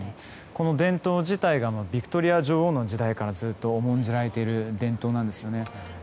この伝統自体がヴィクトリア女王の時代からずっと重んじられている伝統なんですよね。